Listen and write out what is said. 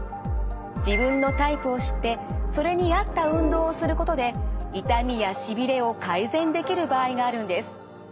自分のタイプを知ってそれに合った運動をすることで痛みやしびれを改善できる場合があるんです。